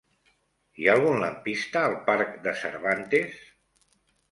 Hi ha algun lampista al parc de Cervantes?